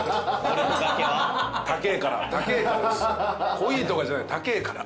濃いとかじゃない高えから。